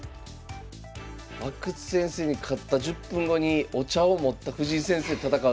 阿久津先生に勝った１０分後にお茶を持った藤井先生と戦う。